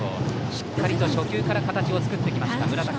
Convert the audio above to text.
しっかり初球から形を作ってきました。